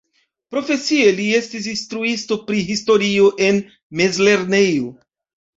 Profesie li estis instruisto pri historio en mezlernejo.